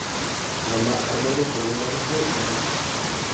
Armado con un arco y una hacha.